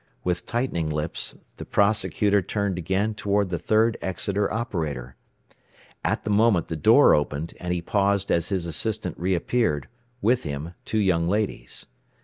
With tightening lips the prosecutor turned again toward the third Exeter operator. At the moment the door opened, and he paused as his assistant reappeared, with him two young ladies.